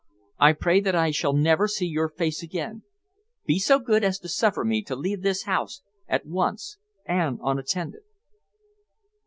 I pray that I shall never see your face again. Be so good as to suffer me to leave this house at once, and unattended."